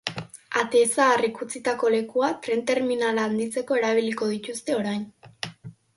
Ate zaharrek utzitako lekua tren terminala handitzeko erabiliko dituzte orain.